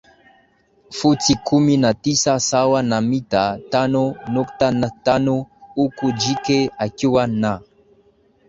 futi kumi na tisa sawa na mita tano nukta tano huku jike akiwa na